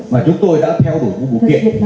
mà chúng tôi đã theo đuổi một bố kiện